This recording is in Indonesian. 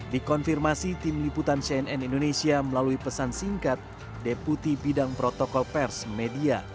dikonfirmasi tim liputan cnn indonesia melalui pesan singkat deputi bidang protokol pers media